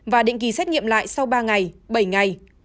và định kỳ xét nghiệm lại sau ba ngày bảy ngày